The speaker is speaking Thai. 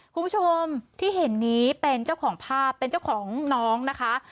คุณผู้ชมที่เห็นนี้เป็นเจ้าของภาพเป็นเจ้าของน้องนะคะ